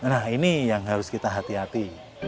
nah ini yang harus kita hati hati